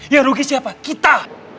yang rugi siapa kita